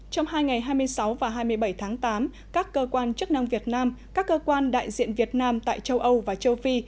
trong hai ngày hai mươi sáu và hai mươi bảy tháng tám các cơ quan chức năng việt nam các cơ quan đại diện việt nam tại châu âu và châu phi